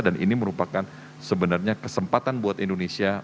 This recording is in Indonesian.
dan ini merupakan sebenarnya kesempatan buat indonesia